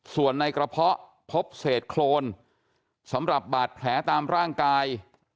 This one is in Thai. ส่วนในกระเพาะพบเศษโครนสำหรับบาดแผลตามร่างกาย